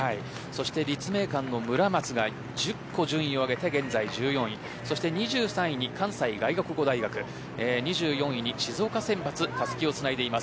立命館の村松が１０個、順位を上げて現在１４位２３位に関西外国語大学２４位に静岡選抜たすきをつないでいます。